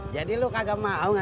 jadi lu kagak mau anterin gua